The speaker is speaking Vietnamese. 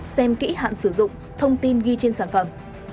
xem kỹ hạn sử dụng thông tin ghi trên sản phẩm